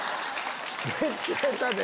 めっちゃ下手で。